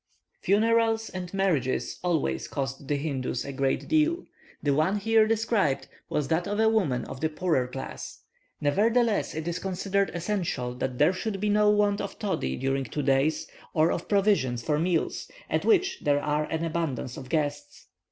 Funerals and marriages always cost the Hindoos a great deal. The one here described was that of a woman of the poorer class. Nevertheless, it is considered essential that there should be no want of toddy during two days, or of provisions for meals, at which there are an abundance of guests.